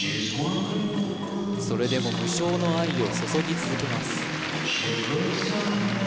それでも無償の愛を注ぎ続けます